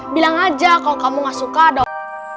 bilang aja kalau kamu gak suka dong